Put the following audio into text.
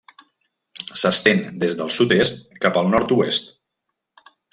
S'estén des del sud-est cap al nord-oest.